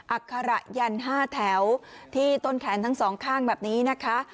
อัคระยัน๕แถวที่ต้นแขนทั้งสองข้างแบบนี้นะคะ